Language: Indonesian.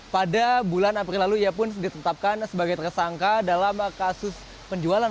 pada bulan april lalu ia pun ditetapkan sebagai tersangka dalam kasus penjualan